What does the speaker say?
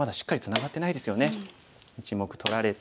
１目取られて。